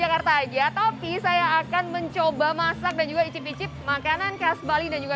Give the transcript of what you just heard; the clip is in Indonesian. jakarta aja tapi saya akan mencoba masak dan juga icip icip makanan khas bali dan juga